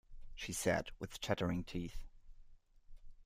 She said with chattering teeth.